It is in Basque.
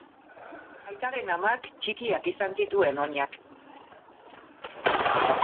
Aitaren amak txikiak izan zituen oinak.